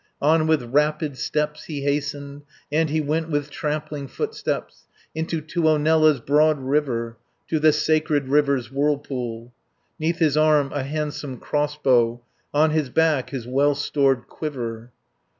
On with rapid steps he hastened, And he went with trampling footsteps, 390 Unto Tuonela's broad river, To the sacred river's whirlpool, 'Neath his arm a handsome crossbow, On his back his well stored quiver.